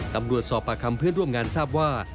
ตำรวจสอบปากคำเพื่อนร่วมงานทราบว่า